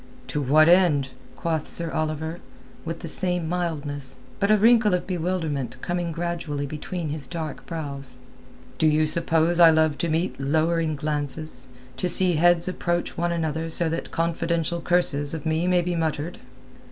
"To what end?" quoth Sir Oliver, with the same mildness, but a wrinkle of bewilderment coming gradually between his dark brows. "Do you suppose I love to meet lowering glances, to see heads approach one another so that confidential curses of me may be muttered?"